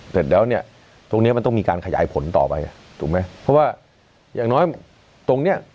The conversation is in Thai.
เสร็จแล้วเนี่ยตรงเนี้ยมันต้องมีการขยายผลต่อไปถูกไหมเพราะว่าอย่างน้อยตรงเนี้ย